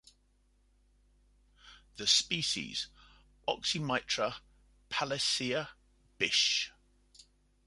The species "Oxymitra paleacea" Bisch.